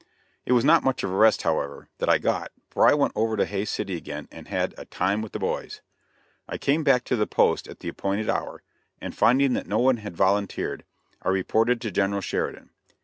It was not much of a rest, however, that I got, for I went over to Hays City again and had "a time with the boys." I came back to the post at the appointed hour, and finding that no one had volunteered, I reported to General Sheridan.